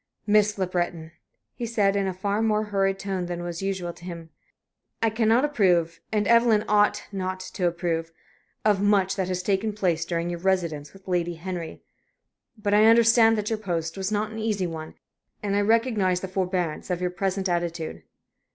"Miss Le Breton," he said, in a far more hurried tone than was usual to him, "I cannot approve and Evelyn ought not to approve of much that has taken place during your residence with Lady Henry. But I understand that your post was not an easy one, and I recognize the forbearance of your present attitude.